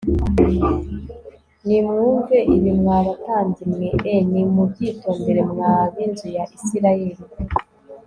Nimwumve ibi mwa batambyi mwe e nimubyitondere mwa b inzu ya Isirayeli